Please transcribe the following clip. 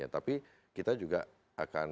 tapi kita juga akan